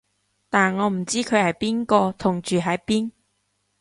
但我唔知佢係邊個同住喺邊